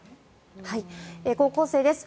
高校生です。